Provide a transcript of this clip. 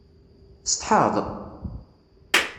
Tsetḥaḍ?